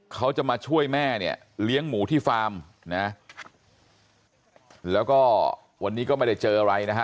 เขาจะมาช่วยแม่เนี่ยเลี้ยงหมูที่ฟาร์มนะแล้วก็วันนี้ก็ไม่ได้เจออะไรนะฮะ